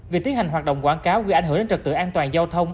việc tiến hành hoạt động quảng cáo gây ảnh hưởng đến trật tự an toàn giao thông